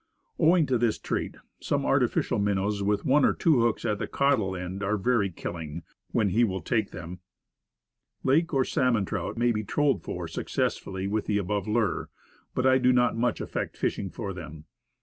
Owing to this trait, some artificial minnows with one or two hooks at the cau dal end, are very killing when he will take them. Lake Trout 63 Lake, or salmon trout, may be trolled for success fully with the above lure; but I do not much affect fishing for them.